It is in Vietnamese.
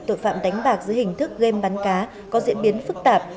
tội phạm đánh bạc giữa hình thức game bán cá có diễn biến phức tạp